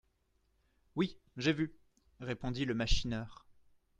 Oui, j'ai vu, répondit le machineur.